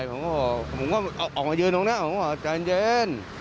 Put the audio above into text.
ผมก็ผมก็ออกมายืนตรงหน้าผมก็บอกใจเย็น